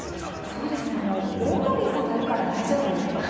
そうですね「オードリーさんがいるから大丈夫」と。